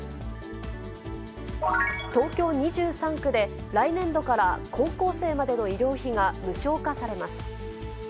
東京２３区で、来年度から、高校生までの医療費が無償化されます。